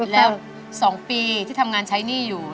แล้ว๒ปีที่ทำงานใช้หนี้อยู่